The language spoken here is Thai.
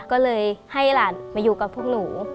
ก็เลยให้หลานมาอยู่กับพวกหนู